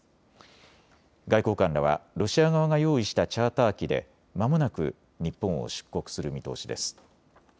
外交官らはロシア側が用意したチャーター機でまもなく日本を出国する見通しです。